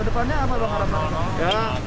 kedepannya apa pengharapan